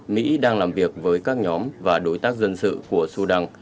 mỹ đang làm việc với các nhóm và đối tác dân sự của sudan